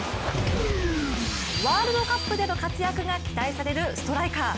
ワールドカップでの活躍が期待されるストライカー。